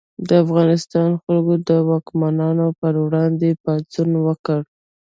د افغانستان خلکو د واکمنانو پر وړاندې پاڅون وکړ.